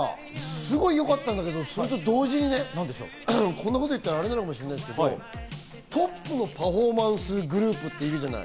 すごいよかったんだけど、それと同時にね、こんなこと言ったらアレかもしれないけど、トップのパフォーマンスグループっているじゃない？